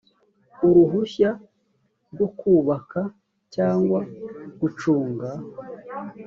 uruhushya rwo kubaka cyangwa gucunga